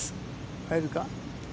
入るか？